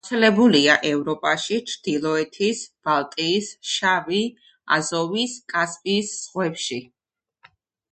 გავრცელებულია ევროპაში, ჩრდილოეთის, ბალტიის, შავი, აზოვის, კასპიის ზღვებში.